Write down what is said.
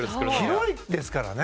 広いですからね。